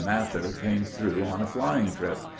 Mather came through on a flying trip.